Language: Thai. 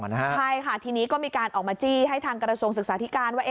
ใช่ค่ะทีนี้ก็มีการออกมาจี้ให้ทางกระทรวงศึกษาธิการว่า